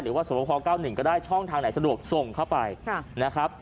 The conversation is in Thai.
สวพ๙๑ก็ได้ช่องทางไหนสะดวกส่งเข้าไปนะครับ